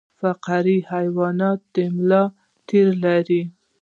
فقاریه حیوانات د ملا تیر لري